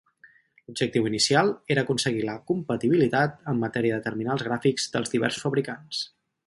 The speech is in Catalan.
L'objectiu inicial era aconseguir la compatibilitat en matèria de terminals gràfics dels diversos fabricants.